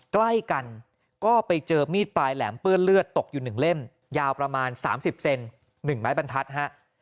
ใกล้กันก็ไปเจอมีดปลายแหลมเปื้อนเลือดตกอยู่๑เล่มยาวประมาณ๓๐เซน๑ไม้บรรทัศน์ฮะ